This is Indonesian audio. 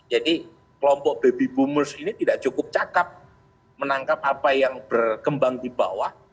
jadi kelompok baby boomers ini tidak cukup cakep menangkap apa yang berkembang di bawah